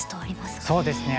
そうですね